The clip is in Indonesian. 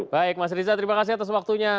baik mas riza terima kasih atas waktunya